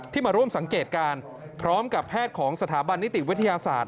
มาร่วมสังเกตการณ์พร้อมกับแพทย์ของสถาบันนิติวิทยาศาสตร์